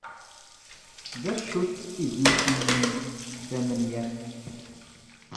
D acu-tt tidelt-nnem tamenyaft?